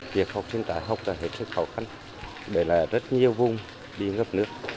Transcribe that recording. việc học sinh đã học là hết sức khó khăn bởi là rất nhiều vùng bị ngập nước